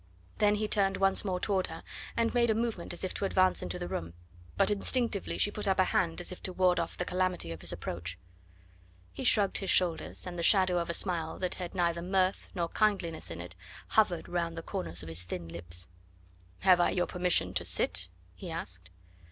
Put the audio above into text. Then he turned once more toward her, and made a movement as if to advance into the room; but instinctively she put up a hand as if to ward off the calamity of his approach. He shrugged his shoulders, and the shadow of a smile, that had neither mirth nor kindliness in it, hovered round the corners of his thin lips. "Have I your permission to sit?" he asked.